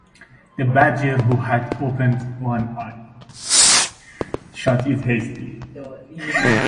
The badger — who had opened one eye — shut it hastily.